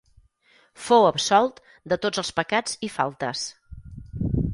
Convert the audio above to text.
Fou absolt de tots els pecats i faltes.